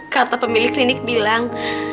kata pemilik klinik bilang